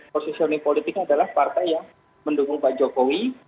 posisi politiknya adalah partai yang mendukung pak jokowi